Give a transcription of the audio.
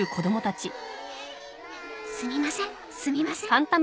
すみませんすみません。